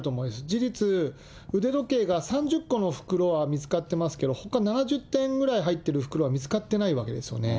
事実、腕時計が３０個の袋は見つかってますけど、ほか７０点ぐらい入ってる袋は見つかってないわけですよね。